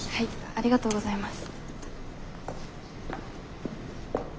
ありがとうございます。